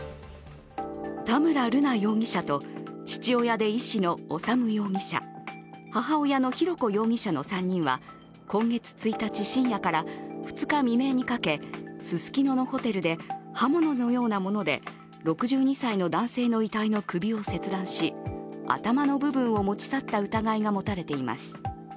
田村瑠奈容疑者と父親で医師の修容疑者母親の浩子容疑者の３人は今月１日深夜から２日未明にかけススキノのホテルで刃物のようなもので６２歳の男性の遺体の首を切断し頭の部分を持ち去った疑いが持たれています。